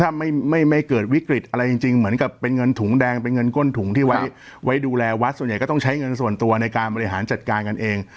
ถ้าไม่เกิดวิกฤตอะไรจริงเหมือนกับเป็นเงินถุงแดงเป็นเงินก้นถุงที่ไว้ดูแลวัดส่วนใหญ่ก็ต้องใช้เงินส่วนตัวในการบริหารจัดการกันเอง